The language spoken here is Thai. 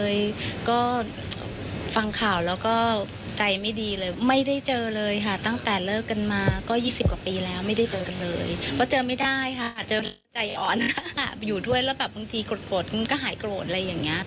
อยู่ด้วยแล้วแบบบางทีกรดก็หายโกรธอะไรอย่างนี้